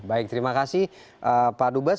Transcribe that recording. baik terima kasih pak dubes